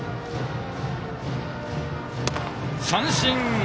三振！